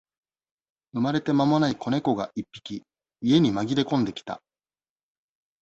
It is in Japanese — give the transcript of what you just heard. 生まれて間もない子猫が一匹、家に紛れ込んできた。